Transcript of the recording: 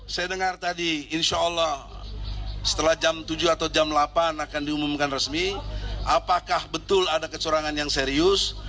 saya dengar tadi insya allah setelah jam tujuh atau jam delapan akan diumumkan resmi apakah betul ada kecurangan yang serius